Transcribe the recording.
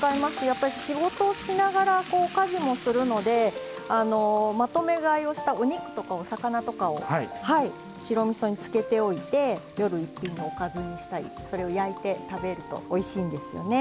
やっぱり仕事しながらこう家事もするのでまとめ買いをしたお肉とかお魚とかを白みそに漬けておいて夜一品おかずにしたりそれを焼いて食べるとおいしいんですよね。